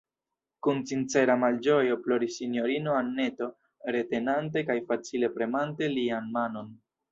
Kun sincera malĝojo ploris sinjorino Anneto, retenante kaj facile premante lian manon.